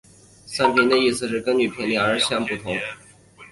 频散的意思是表面波的波速会根据频率而有所不同。